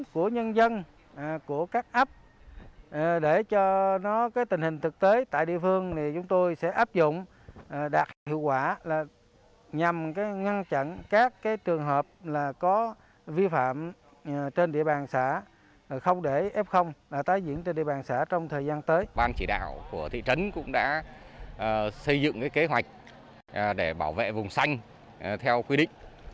các địa phương vùng vàng vùng cam chỉ đạo của thị trấn cũng đã xây dựng kế hoạch để bảo vệ vùng xanh theo quy định